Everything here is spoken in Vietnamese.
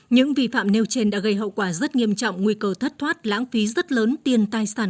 những vi phạm nêu trên đã gây hậu quả rất nghiêm trọng nguy cơ thất thoát lãng phí rất lớn tiền tài sản